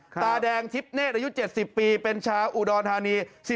ตาแดงทิพเนธอายุ๗๐ปีเป็นชาวอุดรธานี